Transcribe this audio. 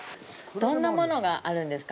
どんなものがあるんですか？